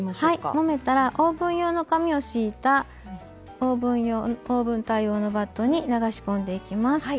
もめたらオーブン用の紙を敷いたオーブン対応のバットに流し込んでいきます。